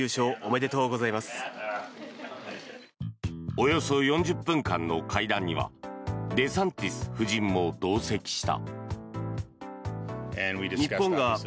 およそ４０分間の会談にはデサンティス夫人も同席した。